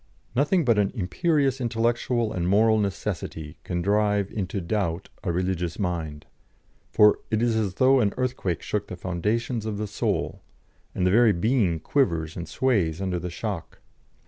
Nothing but an imperious intellectual and moral necessity can drive into doubt a religious mind, for it is as though an earthquake shook the foundations of the soul, and the very being quivers and sways under the shock.